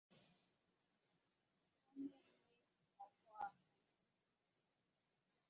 o mee emee ọ hụ ahụ